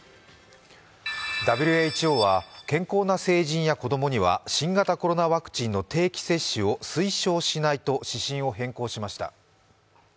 ＷＨＯは健康な成人や子供には新型コロナワクチンの定期接種を推奨しないと指針を変更しました。